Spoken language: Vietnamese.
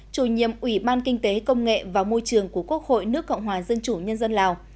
chủ nhiệm ủy ban kinh tế công nghệ và môi trường của quốc hội nước cộng hòa dân chủ nhân dân lào